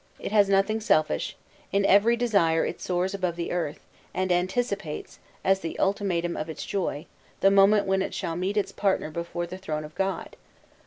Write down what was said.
It has nothing selfish; in every desire it soars above this earth; and anticipates, as the ultimatum of its joy, the moment when it shall meet its partner before the throne of God.